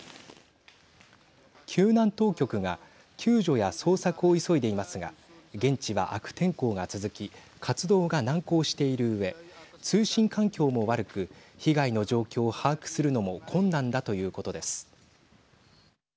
救難当局が救助や捜索を急いでいますが現地は悪天候が続き活動が難航しているうえ通信環境も悪く被害の状況を把握するのも困難だということです。